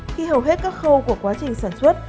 khi hầu hết các khâu của quá trình sản xuất